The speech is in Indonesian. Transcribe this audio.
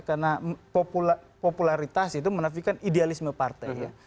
karena popularitas itu menafikan idealisme partai ya